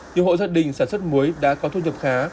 nhiều hộ gia đình sản xuất muối đã có thu nhập khá